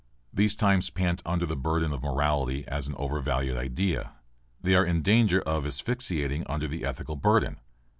These times pant under the burden of morality as an overvalued idea. They are in danger of asphyxiating under the ethical burden.